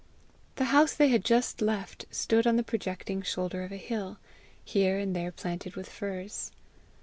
The house they had just left stood on the projecting shoulder of a hill, here and there planted with firs.